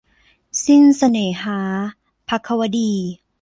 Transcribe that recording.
สิ้นเสน่หา - ภควดี